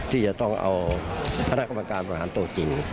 ที่จะต้องเอาคณะกรรมการบริหารตัวจริง